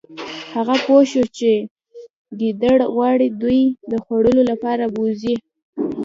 هغه پوه شو چې ګیدړ غواړي دوی د خوړلو لپاره بوزي